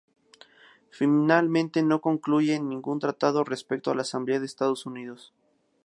Finalmente no concluye ningún tratado respecto a la Asamblea de Estados Americanos.